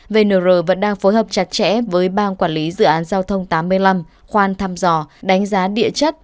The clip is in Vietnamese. vnr vẫn đang phối hợp chặt chẽ với bang quản lý dự án giao thông tám mươi năm khoan thăm dò đánh giá địa chất